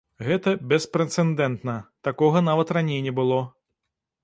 Гэта беспрэцэдэнтна, такога нават раней не было.